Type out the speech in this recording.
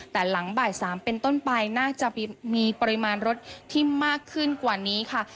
แต่หลังบ่าย๓เป็นต้นไปน่าจะมีปริมาณรถที่มากขึ้นกว่านี้ค่ะ